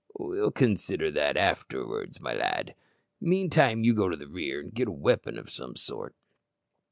"We'll consider that afterwards, my lad. Meantime go you to the rear and get a weapon of some sort."